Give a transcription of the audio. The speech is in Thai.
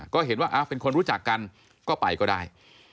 ก็เห็นว่าเป็นคนรู้จักกันก็ไปก็ได้